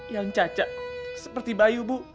yang caca seperti bayu bu